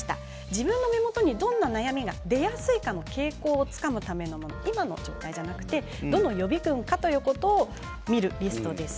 自分の目元にどんな悩みが出やすいかの傾向をつかむための今の状態じゃなくてどの予備軍かということを見るテストです。